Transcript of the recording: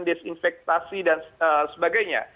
disinfektasi dan sebagainya